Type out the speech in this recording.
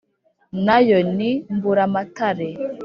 Na yo ni Mburamatare